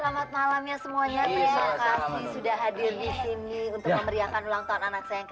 selamat malam ya semuanya ya sudah hadir disini untuk memberi akan ulang tahun anak